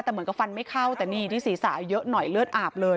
แต่เหมือนกับฟันไม่เข้าแต่นี่ที่ศีรษะเยอะหน่อยเลือดอาบเลย